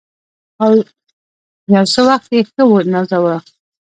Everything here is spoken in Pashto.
او یو څه وخت یې ښه ونازاوه.